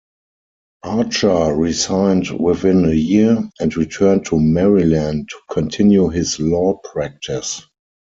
Archer resigned within a year, and returned to Maryland to continue his law practice.